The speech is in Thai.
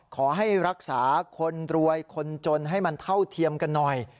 ขอให้รักษาคนรวยคนจนให้มันเท่าเทียมกันหน่อย